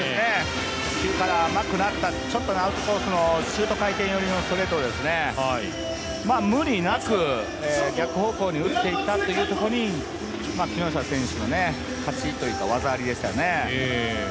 初球から甘くなった、アウトコースのシュート回転寄りのストレートですね、無理なく逆方向に打っていったっていうところに木下選手の勝ちというか技ありでしたよね。